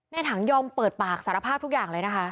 ในถังยอมเปิดปากสารภาพทุกอย่างเลยนะคะ